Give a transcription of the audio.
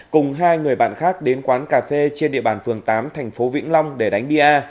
cùng hai người bạn khác đến quán cà phê trên địa bàn phường tám thành phố vĩnh long để đánh bia